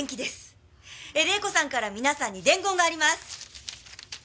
玲子さんから皆さんに伝言があります。